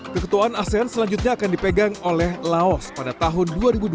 keketuaan asean selanjutnya akan dipegang oleh laos pada tahun dua ribu dua puluh